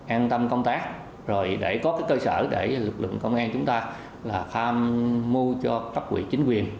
an tâm công tác rồi để có cái cơ sở để lực lượng công an chúng ta là tham mưu cho cấp quỹ chính quyền